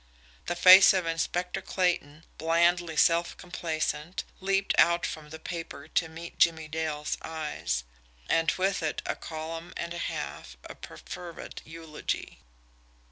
The face of Inspector Clayton, blandly self complacent, leaped out from the paper to meet Jimmie Dale's eyes and with it a column and a half of perfervid eulogy.